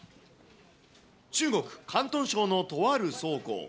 中国・広東省のとある倉庫。